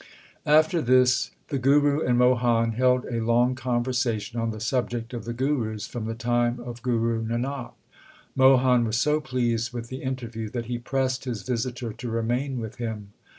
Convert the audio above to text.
3 After this the Guru and Mohan held a long con versation on the subject of the Gurus from the time of Guru Nanak. Mohan was so pleased with the interview, that he pressed his visitor to remain with him.